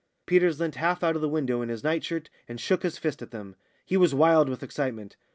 Peters leant half out of the window in his night shirt and shook his fist at them. He was wild with excitement.